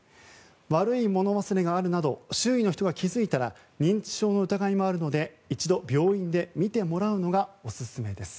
悪いもの忘れがあるなど周囲の人が気づいたら認知症の疑いもあるので一度、病院で診てもらうのがオススメです。